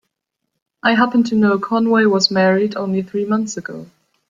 I happen to know Conway was married only three months ago.